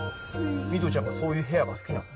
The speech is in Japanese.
弥都ちゃんがそういうヘアが好きなの？